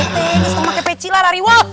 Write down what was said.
nggak usah pake beci lah lari wap